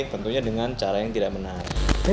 tentunya dengan cara yang tidak benar